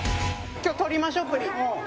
今日撮りましょうプリ。